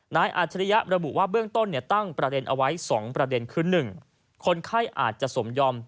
อาจริยะระบุว่าเบื้องต้นตั้งประเด็นเอาไว้๒ประเด็นคือ๑คนไข้อาจจะสมยอม